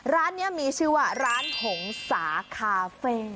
ร้านนี้มีชื่อว่าร้านหงสาคาเฟ่